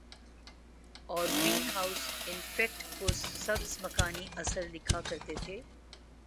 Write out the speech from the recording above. اور greenhouse effect کو سبز مکانی اثر لکھا کرتے تھے